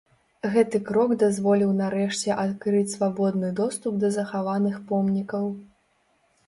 Гэты крок дазволіў нарэшце адкрыць свабодны доступ да захаваных помнікаў.